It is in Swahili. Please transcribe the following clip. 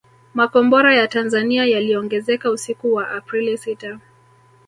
Makombora ya Tanzania yaliongezeka usiku wa Aprili sita